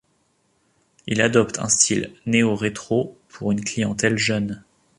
Il adopte un style néo-rétro pour une clientèle jeune.